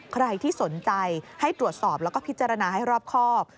ใครที่สนใจให้ตรวจสอบแล้วก็พิจารณาให้รอบครอบ